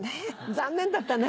残念だったね。